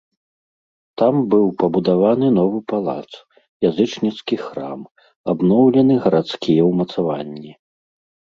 Там быў пабудаваны новы палац, язычніцкі храм, абноўлены гарадскія ўмацаванні.